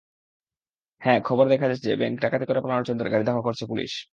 হ্যাঁ, খবরে দেখাচ্ছে যে ব্যাংক ডাকাতি করে পালানো চোরদের গাড়ি ধাওয়া করছে পুলিশ।